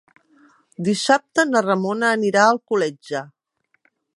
Dissabte na Ramona anirà a Alcoletge.